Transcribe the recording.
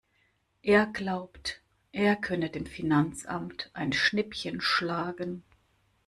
Er glaubt, er könne dem Finanzamt ein Schnippchen schlagen.